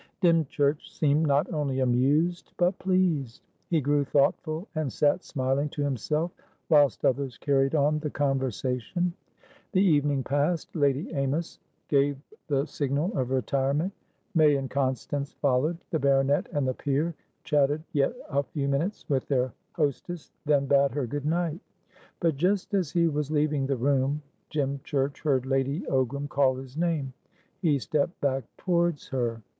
Dymchurch seemed not only amused, but pleased. He grew thoughtful, and sat smiling to himself whilst others carried on the conversation. The evening passed. Lady Amys gave the signal of retirement; May and Constance followed; the baronet and the peer chatted for yet a few minutes with their hostess, then bade her good night. But, just as he was leaving the room, Dymchurch heard Lady Ogram call his name; he stepped back towards her.